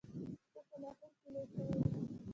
زه په لاهور کې لویه شوې یم.